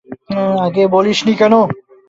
আগে বলিসনি কেন?